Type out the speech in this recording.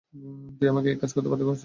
তুমি আমাকে এই কাজ করতে বাধ্য করেছ।